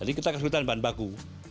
jadi kita kesulitan bahan baku